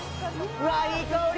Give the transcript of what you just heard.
うわあいい香り！